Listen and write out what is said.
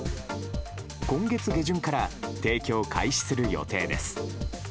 今月下旬から提供を開始する予定です。